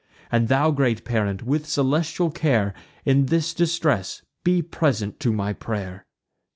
And thou, great parent, with celestial care, In this distress be present to my pray'r!"